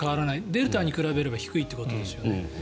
デルタに比べれば低いということですよね。